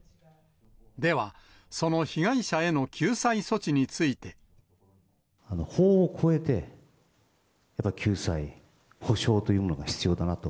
では、法を超えて、やっぱり救済、補償というものが必要だなと。